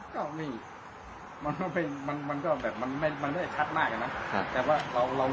ก็มีมันก็แบบมันไม่ชัดมากนะแต่ว่าเรารู้สึกหันไปมอง